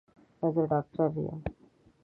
زه ډاکټر يم.